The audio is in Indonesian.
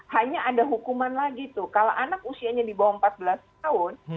hanya ada hukuman lagi tuh kalau anak usianya di bawah empat belas tahun